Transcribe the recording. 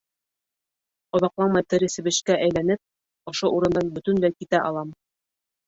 Оҙаҡламай тере себешкә әйләнеп, ошо урындан бөтөнләй китә алам.